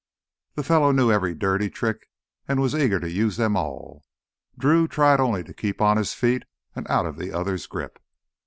The fellow knew every dirty trick and was eager to use them all. Drew tried only to keep on his feet and out of the other's grip.